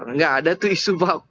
tidak ada itu isu